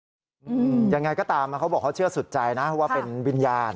ยังไงก็ตามเขาบอกเขาเชื่อสุดใจนะว่าเป็นวิญญาณ